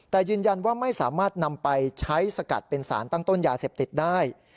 แต่ยืนยันว่าไม่สามารถนำไปใช้สกัดเป็นสารตั้งต้นยาเสพติดได้